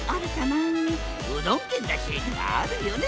うどん県だしあるよね！